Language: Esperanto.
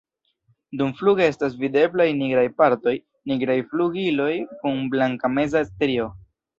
Dumfluge estas videblaj nigraj partoj, nigraj flugiloj kun blanka meza strio.